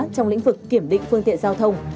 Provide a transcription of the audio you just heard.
trong lĩnh vực kiểm định phương tiện giao thông